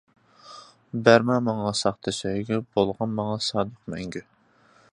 بەرمە ماڭا ساختا سۆيگۈ، بولغىن ماڭا سادىق مەڭگۈ.